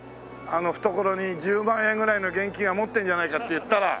懐に１０万円ぐらいの現金は持ってるんじゃないかって言ったら。